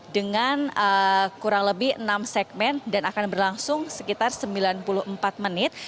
dengan kurang lebih enam segmen dan akan berlangsung sekitar sembilan puluh empat menit